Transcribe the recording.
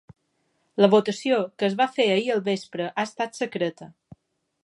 La votació, que es va fer ahir al vespre, ha estat secreta.